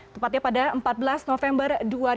tepatnya pada empat belas november dua ribu dua puluh